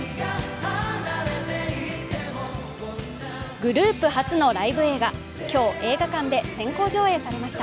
グループ初のライブ映画、今日、映画館で先行上映されました。